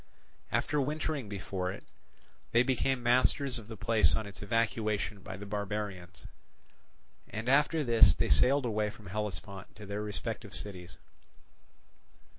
After wintering before it, they became masters of the place on its evacuation by the barbarians; and after this they sailed away from Hellespont to their respective cities.